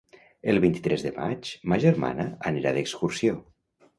El vint-i-tres de maig ma germana anirà d'excursió.